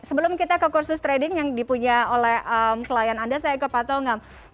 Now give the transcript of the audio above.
sebelum kita ke kursus trading yang dipunya oleh klien anda saya ke pak tongam